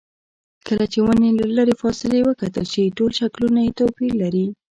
کله چې ونې له لرې فاصلې وکتل شي ټول شکلونه یې توپیر لري.